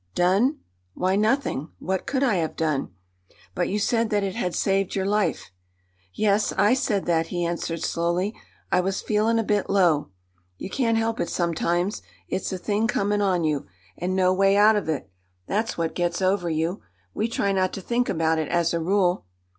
"Done? Why, nothing. What could I have done?" "But you said that it had saved your life." "Yes, I said that," he answered slowly; "I was feelin' a bit low. You can't help it sometimes; it's the thing comin' on you, and no way out of it—that's what gets over you. We try not to think about it, as a rule."